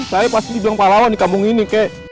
saya pasti jadi pahlawan di kambung ini kek